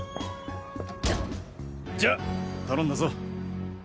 じゃ頼んだぞ。